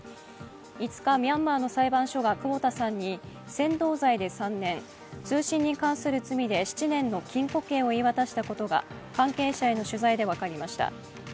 ５日、ミャンマーの裁判所が久保田さんに、扇動罪で３年、通信に関する罪で７年の禁錮刑を言い渡したことが関係者への取材で分かりました。